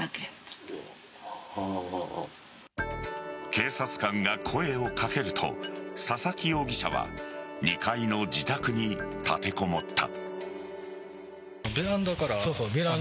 警察官が声を掛けると佐々木容疑者は２階の自宅に立てこもった。